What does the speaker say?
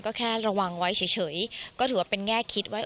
ก็แค่ระวังไว้เฉยก็ถือว่าเป็นแง่คิดไว้